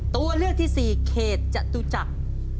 ตัวเลือกที่๔เขตจตุจักร